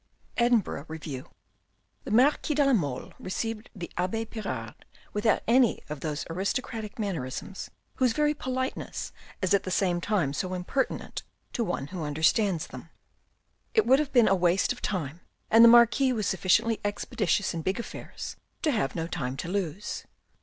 Edinburgh Review. The Marquis de la Mole received the abbe Pirard without any of those aristocratic mannerisms whose very politeness is at the same time so impertinent to one who understands them. It would have been waste of time, and the Marquis was sufficiently expeditious in big affairs to have no time to lose.